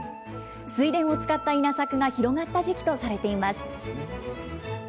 水田を使った稲作が広がった時期とされています。